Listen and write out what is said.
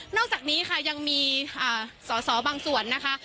อกจากนี้ค่ะยังมีสอสอบางส่วนนะคะ